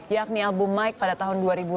yakni album mike pada tahun dua ribu enam